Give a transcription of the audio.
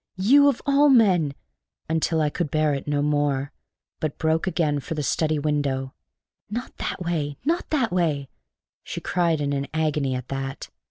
You, of all men!" until I could bear it no more, but broke again for the study window. "Not that way not that way!" she cried in an agony at that.